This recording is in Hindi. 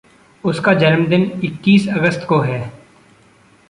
उसका जन्मदिन इक्कीस अगस्त को है।